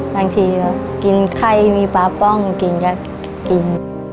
บางทีแบบกินไข้มีปลาป้องกินก็กิน